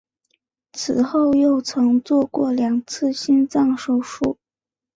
此后又曾做过两次心脏手术。